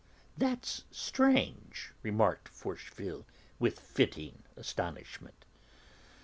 "That's strange," remarked Forcheville with fitting astonishment.